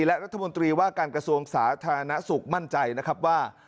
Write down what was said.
และรัฐมนตรีว่าการกระทรวงสาธารณสุขมั่นใจนะครับว่า